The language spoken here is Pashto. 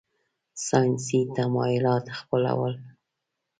ساینسي تمایلات خپلول.